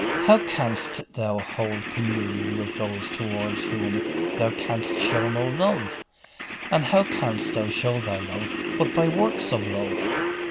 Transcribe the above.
'How canst thou hold communion with those toward whom thou canst show no love? And how canst thou show thy love but by works of love?